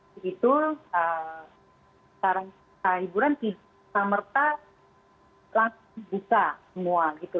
begitu sekarang hiburan di samerta langsung dibuka semua